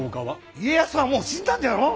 家康はもう死んだんじゃろう？